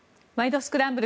スクランブル」